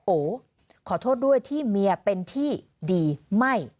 โอขอโทษด้วยที่เมียเป็นที่ดีไม่